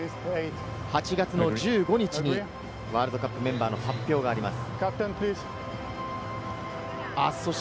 ８月の１５日にワールドカップメンバーの発表があります。